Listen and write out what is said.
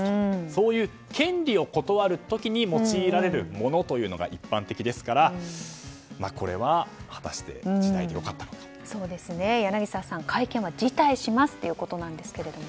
そういう権利を断る時に用いられるものというのが一般的ですからこれは、果たして柳澤さん会見は辞退しますということなんですが。